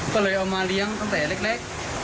ก็เลยเอามาเลี้ยงตั้งแต่เล็ก